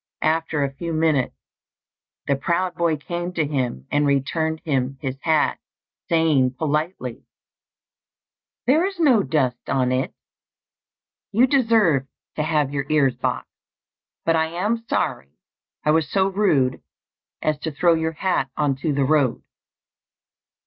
After a few minutes, the proud boy came to him and returned him his hat, saying politely "There is no dust on it; you deserved to have your ears boxed, but I am sorry I was so rude as to throw your hat on to the road."